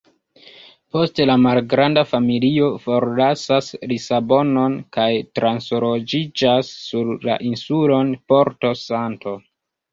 Poste la malgranda familio forlasas Lisabonon kaj transloĝiĝas sur la insulon Porto-Santo.